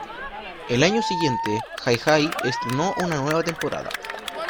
El año siguiente, Hi Hi estrenó una nueva temporada.